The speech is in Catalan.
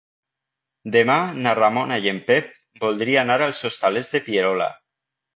Demà na Ramona i en Pep voldria anar als Hostalets de Pierola.